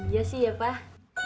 iya sih ya pak